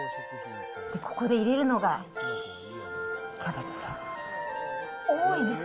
ここで入れるのがキャベツです。